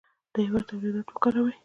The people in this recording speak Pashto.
د هېواد تولیدات وکاروئ.